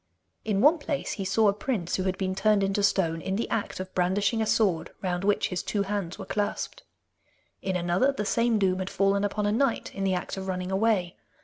In one place he saw a prince who had been turned into stone in the act of brandishing a sword round which his two hands were clasped. In another, the same doom had fallen upon a knight in the act of running away.